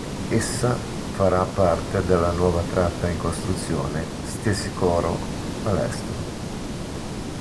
Essa farà parte della nuova tratta in costruzione Stesicoro-Palestro.